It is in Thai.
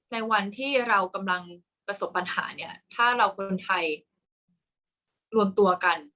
ในวันที่เรากำลังประสบปัญหาเนี่ยถ้าเราเป็นคนไทยรวมตัวกัน